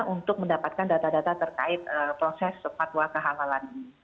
untuk mendapatkan data data terkait proses fatwa kehalalan ini